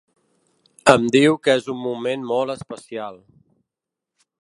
Em diu que és un moment molt especial.